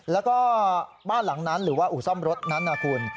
แล้วก็บ้านหลังนั้นหรือว่าอู่ซ่อมรถนั้นนะคุณ